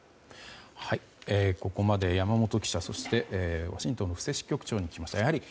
ここまで山本記者ワシントンの布施支局長に聞きました。